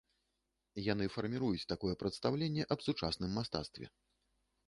Яны фарміруюць такое прадстаўленне аб сучасным мастацтве.